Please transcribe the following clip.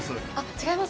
違います。